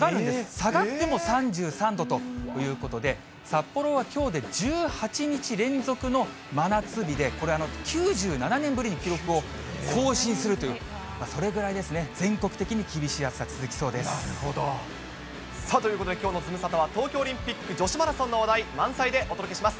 下がっても３３度ということで、札幌はきょうで１８日連続の真夏日で、これ、９７年ぶりに記録を更新するという、それぐらいですね、全国的に厳しい暑さ、続きそなるほど。ということで、きょうのズムサタは、東京オリンピック女子マラソンの話題、満載でお届けします。